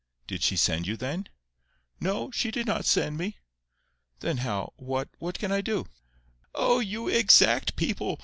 "Did she send you, then?" "No. She did not send me." "Then how—what—what can I do!" "Oh, you exact people!